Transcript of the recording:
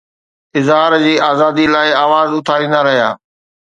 اظهار جي آزادي لاءِ آواز اٿاريندا رهيا.